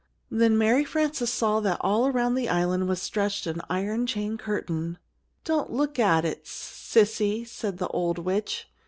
Then Mary Frances saw that all around the island was stretched an iron chain curtain. "Don't look at it, S Sissy," said the old witch.